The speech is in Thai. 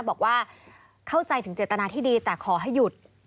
บอกว่าเข้าใจถึงเจตนาที่ดีแต่ขอให้หยุด